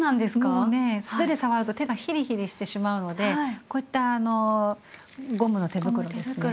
もうね素手で触ると手がひりひりしてしまうのでこういったゴムの手袋ですね。